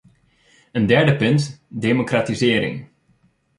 Een derde punt: democratisering.